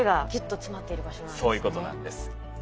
そういうことなんです。